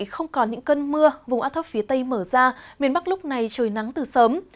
không còn những cơn mưa vùng áo thấp phía tây mở ra miền bắc lúc này trời nắng từ sớm